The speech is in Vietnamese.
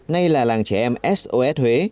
ngay là làng trẻ em sos huế